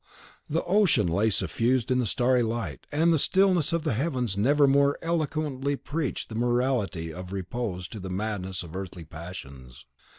The ocean lay suffused in the starry light, and the stillness of the heavens never more eloquently preached the morality of repose to the madness of earthly passions.